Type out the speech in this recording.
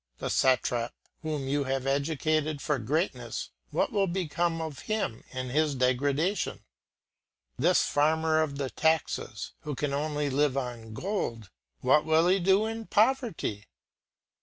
This satrap whom you have educated for greatness, what will become of him in his degradation? This farmer of the taxes who can only live on gold, what will he do in poverty?